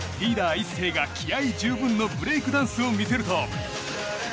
ＩＳＳＥＩが気合十分のブレイクダンスを見せると。